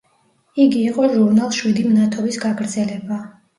იგი იყო ჟურნალ შვიდი მნათობის გაგრძელება.